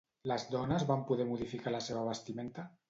Les dones van poder modificar la seva vestimenta?